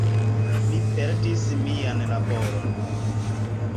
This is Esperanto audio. Mi perdis mian laboron.